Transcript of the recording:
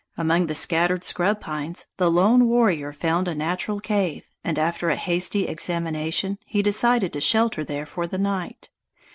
Among the scattered scrub pines, the lone warrior found a natural cave, and after a hasty examination, he decided to shelter there for the night.